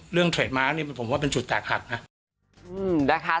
เรื่องเทรดมาร์คผมว่าเป็นจุดแตกหักนะ